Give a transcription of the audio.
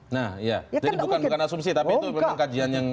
nah ya jadi bukan bukan asumsi tapi itu memang kajian yang